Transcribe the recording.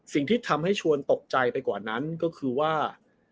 สิ่งที่ทำให้ชวนตกใจไปกว่านั้นก็คือว่า